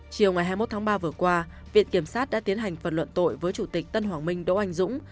chiều ngày hai mươi một tháng ba vừa qua viện kiểm sát đã tiến hành phần luận tội với chủ tịch tân hoàng minh đỗ anh dũng